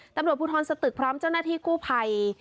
ตำรวจภูทรสตึกพร้อมเจ้าหน้าที่กู้ภัย